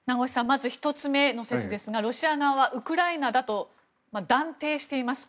まず１つ目の説ですがロシア側はウクライナだと断定しています。